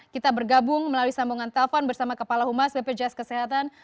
kita bergabung melalui sambungan telepon bersama kepala humas bpjs kesehatan